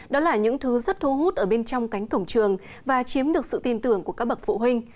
đó là những thứ rất thu hút ở bên trong cánh cổng trường và chiếm được sự tin tưởng của các bậc phụ huynh